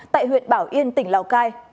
tại huyện bảo yên tỉnh lào cai